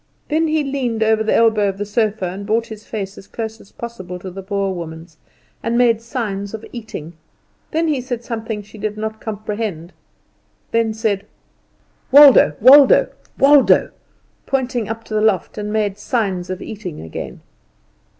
Then he leaned over the elbow of the sofa and brought his face as close as possible to the Boer woman's, and made signs of eating. Then he said something she did not comprehend; then said, "Waldo, Waldo, Waldo," pointed up to the loft, and made signs of eating again.